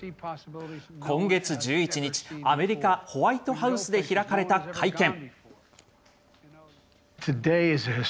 今月１１日、アメリカ、ホワイトハウスで開かれた会見。